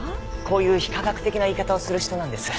こういう非科学的な言い方をする人なんです。